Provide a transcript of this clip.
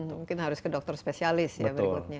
mungkin harus ke dokter spesialis ya berikutnya